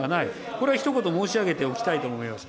これはひと言申し上げておきたいと思います。